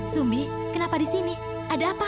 sumbi kenapa di sini ada apa